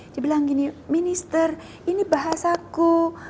dia bilang gini minister ini bahasaku